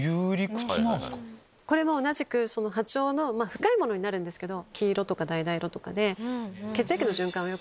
同じく波長の深いものになるんですけど。